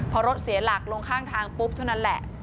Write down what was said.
พอรถเสียหลักลงข้างทางปุ๊บเท่านั้นแหละ